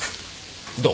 どう？